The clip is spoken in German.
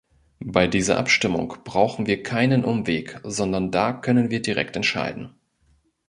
Bei dieser Abstimmung brauchen wir keinen Umweg, sondern da können wir direkt entscheiden.